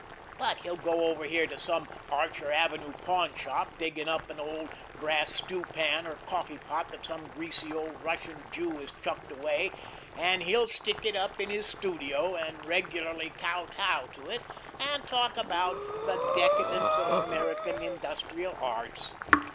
But he'll go over here to some Archer Avenue pawn shop, dig up an old brass stewpan, or coffee pot that some greasy old Russian Jew has chucked away, and he'll stick it up in his studio and regularly kow tow to it, and talk about the 'decadence of American industrial arts.'